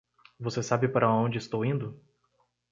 Você sabe para onde estou indo?